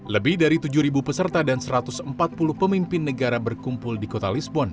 lebih dari tujuh peserta dan satu ratus empat puluh pemimpin negara berkumpul di kota lisbon